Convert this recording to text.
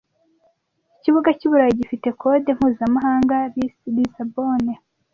Ikibuga cyi Burayi gifite code mpuzamahanga LIS Lissabon